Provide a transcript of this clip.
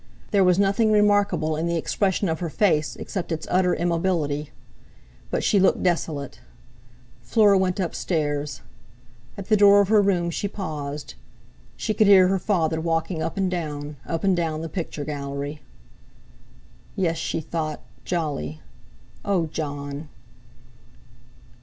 There was nothing remarkable in the expression of her face except its utter immobility. But she looked desolate! Fleur went upstairs. At the door of her room she paused. She could hear her father walking up and down, up and down the picture gallery. 'Yes,' she thought, jolly! Oh, Jon!'